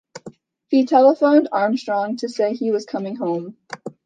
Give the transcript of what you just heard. He telephoned Armstrong to say he was coming home.